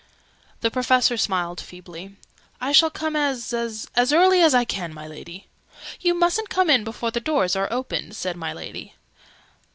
The Professor smiled feebly. "I shall come as as early as I can, my Lady!" "You mustn't come in before the doors are opened," said my Lady.